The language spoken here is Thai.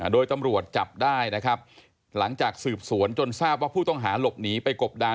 โดยตำรวจจับได้นะครับหลังจากสืบสวนจนทราบว่าผู้ต้องหาหลบหนีไปกบดาน